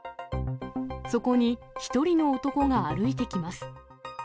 そこに１人の男が歩いてきます。